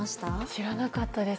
知らなかったです。